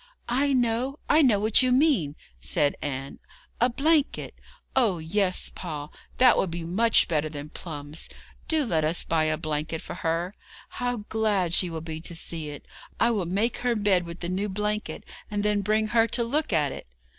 'I know, I know what you mean!' said Anne 'a blanket. Oh, yes, Paul, that will be much better than plums; do let us buy a blanket for her. How glad she will be to see it! I will make her bed with the new blanket, and then bring her to look at it.